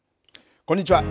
こんにちは。